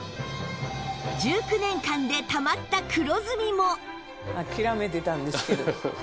１９年間でたまった黒ずみも